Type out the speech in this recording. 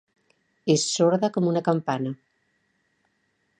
És sorda com una campana.